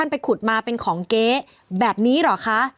ไปขุดมาเป็นของเก๊แบบนี้เหรอคะ